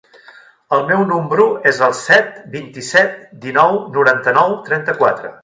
El meu número es el set, vint-i-set, dinou, noranta-nou, trenta-quatre.